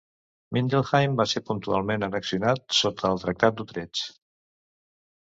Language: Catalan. Mindelheim va ser puntualment annexionat sota el Tractat d'Utrecht.